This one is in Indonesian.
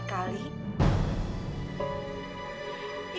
lia salah liat kali